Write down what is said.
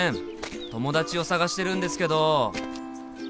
友達を捜してるんですけど。